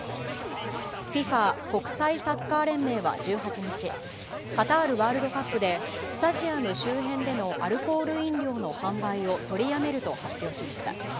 ＦＩＦＡ・国際サッカー連盟は１８日、カタールワールドカップでスタジアム周辺でのアルコール飲料の販売を取りやめると発表しました。